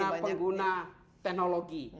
yang pengguna teknologi